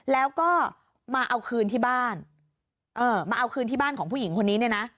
แล้วก็มาเอาคืนที่บ้านเออมาเอาคืนที่บ้านของผู้หญิงคนนี้เนี่ยนะ